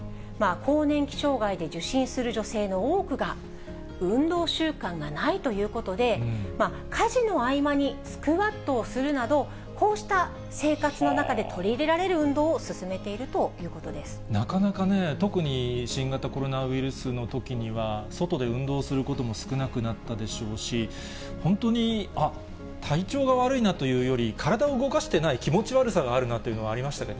更年期障害で受診する女性の多くが、運動習慣がないということで、家事の合間にスクワットをするなど、こうした生活の中で取り入れられる運動を勧めているということでなかなかね、特に新型コロナウイルスのときには、外で運動することも少なくなったでしょうし、本当に、あっ、体調が悪いなというより、体を動かしてない気持ち悪さがあるなというのはありましたね。